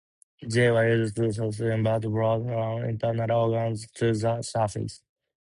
They were used to suction "bad blood" from internal organs to the surface.